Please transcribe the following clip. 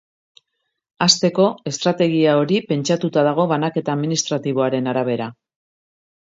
Hasteko, estrategia hori pentsatua dago banaketa administratiboaren arabera.